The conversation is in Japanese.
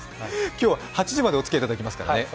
今日は８時までおつきあいいただきますからね。